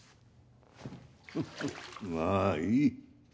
フフっまぁいい。